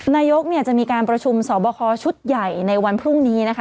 นายกเนี่ยจะมีการประชุมสอบคอชุดใหญ่ในวันพรุ่งนี้นะคะ